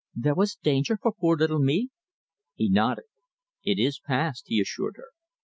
"There was danger for poor little me?" He nodded. "It is past," he assured her.